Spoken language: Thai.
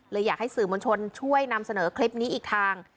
อยากให้สื่อมวลชนช่วยนำเสนอคลิปนี้อีกทาง